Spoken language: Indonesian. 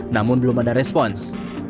namun belum ada respons